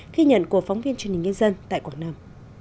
ghi nhận của phóng viên truyền hình nhân dân tại quảng nam